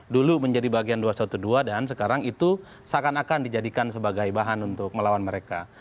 dulu menjadi bagian dua ratus dua belas dan sekarang itu seakan akan dijadikan sebagai bahan untuk melawan mereka